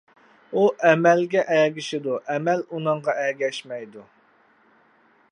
ئۇ ئەمەلگە ئەگىشىدۇ، ئەمەل ئۇنىڭغا ئەگەشمەيدۇ.